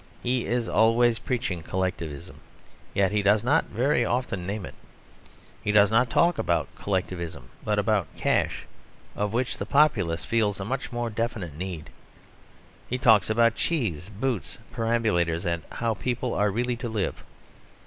He is always preaching collectivism; yet he does not very often name it. He does not talk about collectivism, but about cash; of which the populace feel a much more definite need. He talks about cheese, boots, perambulators, and how people are really to live.